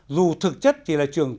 dù thực chất chỉ là trường